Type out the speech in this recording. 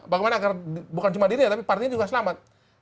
bagaimana agar bukan cuma dirinya tapi partainya juga selamat